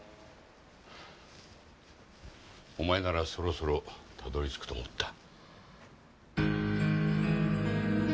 お前ならそろそろたどり着くと思った。